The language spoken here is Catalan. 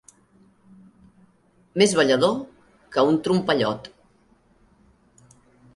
Més ballador que un trompellot.